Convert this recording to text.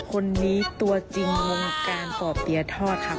คนนี้ตัวจริงวงการปอบเปียร์ทอดครับ